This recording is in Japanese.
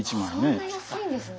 そんな安いんですね。